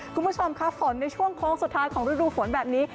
คุณผู้ชมค่ะฝนในช่วงโค้งสุดท้ายของฤดูฝนแบบนี้